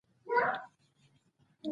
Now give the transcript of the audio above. احمد د پټ جال په خپرولو بوخت وو.